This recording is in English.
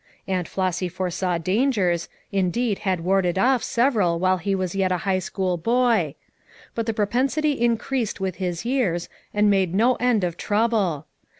Aunt Flossy foresaw dangers, indeed had warded off several while he was yet a high school boy; but the propensity increased with his years and made no end of trouble.